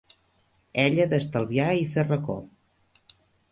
Ella d'estalviar i fer reco